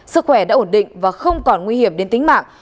sức khỏe đã ổn định và không còn nguy hiểm đến tính mạng